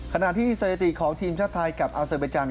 ขณะที่สถิติของทีมชาติไทยกับอาเซอร์เบจันท